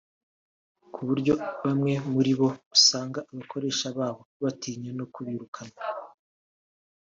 ku buryo bamwe muri bo usanga abakoresha babo batinya no kubirukan